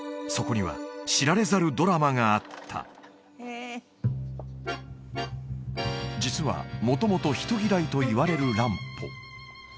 そこには知られざるドラマがあった実は元々人嫌いといわれる乱歩